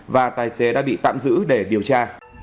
và tài xế đã bị tạm giữ để điều tra